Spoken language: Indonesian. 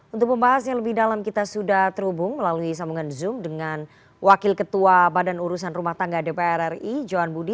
untuk pembahas yang lebih dalam kita sudah terhubung melalui sambungan zoom dengan wakil ketua badan urusan rumah tangga dpr ri johan budi